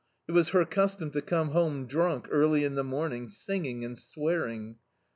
It was her custom to come home dnmk early in the morning, sin^ng and swearing.